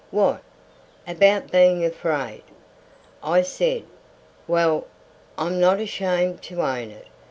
"What, about being afraid?" I said. "Well, I'm not ashamed to own it.